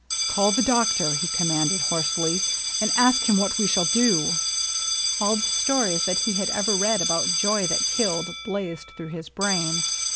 ^' Call the doctor," he commanded hoarsely, ^^ and ask him what we shall do." All the stories that he had ever read about joy that killed blazed through his brain.